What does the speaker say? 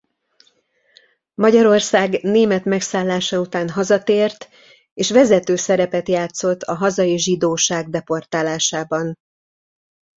Magyarország német megszállása után hazatért és vezető szerepet játszott a hazai zsidóság deportálásában.